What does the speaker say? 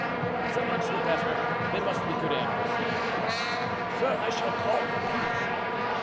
"So much the better; they must be good animals, then." "Sir, I shall call my people."